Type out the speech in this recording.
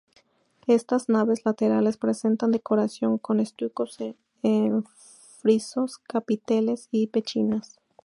Estas naves laterales presentan decoración con estucos en frisos, capiteles y pechinas.